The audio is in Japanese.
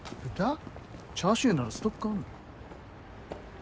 チャーシューならストックある。